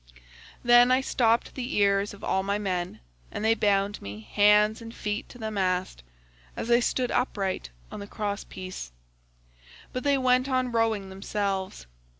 Then I stopped the ears of all my men, and they bound me hands and feet to the mast as I stood upright on the cross piece; but they went on rowing themselves.